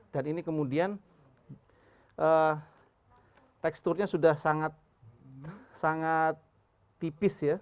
dan ini kemudian teksturnya sudah sangat tipis ya